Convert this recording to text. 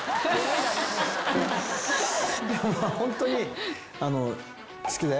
でもまあホントに。